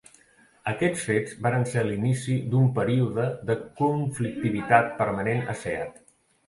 Aquests fets varen ser l'inici d'un període de conflictivitat permanent a Seat.